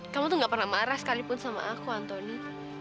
kamu tuh gak pernah marah sekalipun sama aku anthony